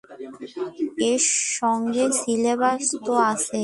এর সঙ্গে সিলেবাস তো আছেই।